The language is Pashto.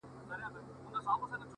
• په لړمانو په مارانو کي به شپې تېروي ,